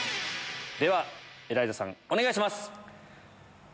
ではエライザさんお願いします。